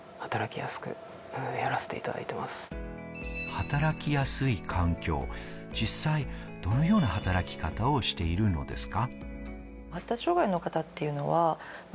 働きやすい環境、実際、どのような働き方をしているのですか？